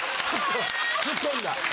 ツッコんだ。